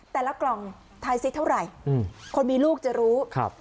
กล่องทายซิเท่าไหร่อืมคนมีลูกจะรู้ครับ